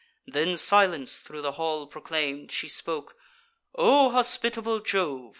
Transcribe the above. Then, silence thro' the hall proclaim'd, she spoke: "O hospitable Jove!